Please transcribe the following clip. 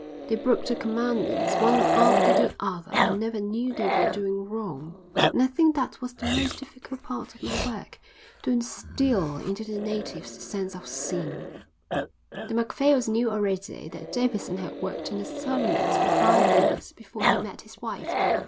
"They broke the commandments one after the other and never knew they were doing wrong. And I think that was the most difficult part of my work, to instil into the natives the sense of sin." The Macphails knew already that Davidson had worked in the Solomons for five years before he met his wife.